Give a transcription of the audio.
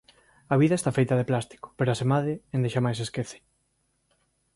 A vida está feita de plástico, pero, asemade, endexamais esquece.